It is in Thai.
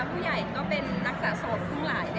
ผู้ใหญ่ก็เป็นนักสะสมทุ่มหลายเนี่ยค่ะ